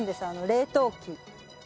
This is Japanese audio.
冷凍機。